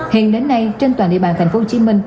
hiện đến nay trên toàn địa bàn tp hcm